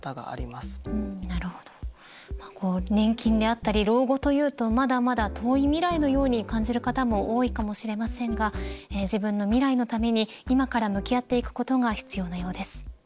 まあ年金であったり老後というとまだまだ遠い未来のように感じる方も多いかもしれませんが自分の未来のために今から向き合っていくことが必要なようです。